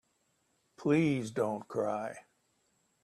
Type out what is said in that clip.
Please don't cry.